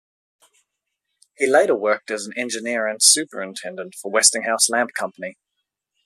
He later worked as an engineer and superintendent for Westinghouse Lamp Company.